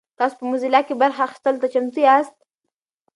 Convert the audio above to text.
تاسو په موزیلا کې برخه اخیستلو ته چمتو یاست؟